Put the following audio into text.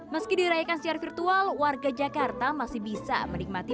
meski dirayakan secara virtual warga jakarta masih bisa menikmati